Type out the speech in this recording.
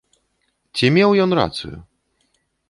Ці меў ён рацыю?